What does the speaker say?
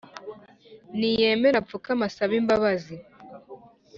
Niyemere apfukame asabe imbabazi